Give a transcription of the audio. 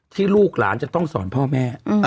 ลูกหลานจะต้องสอนพ่อแม่